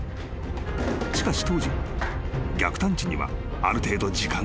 ［しかし当時逆探知にはある程度時間がかかった］